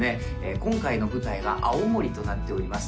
今回の舞台が青森となっております